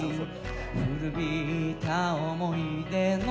「古びた思い出の」